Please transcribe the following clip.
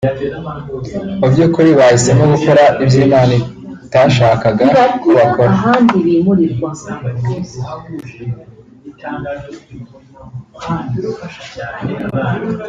Mu by’ukuri bahisemo gukora ibyo Imana itashakaga ko bakora